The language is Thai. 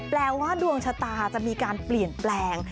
แปลว่าดวงชะตาจะมีการเปลี่ยนแปลง